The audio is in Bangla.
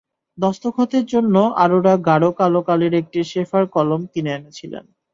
দস্তখতের জন্য অরোরা গাঢ় কালো কালির একটি শেফার কলম কিনে এনেছিলেন।